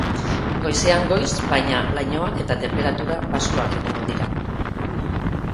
Goizean goiz, baina, lainoak eta tenperatura baxuak egon dira.